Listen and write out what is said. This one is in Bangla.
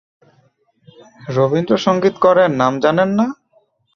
রবীন্দ্রসংগীত করেন, নাম জানেন না?